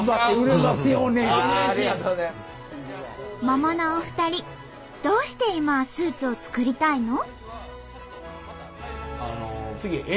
もものお二人どうして今スーツを作りたいの？